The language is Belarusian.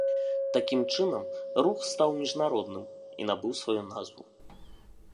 Такім чынам рух стаў міжнародным і набыў сваю назву.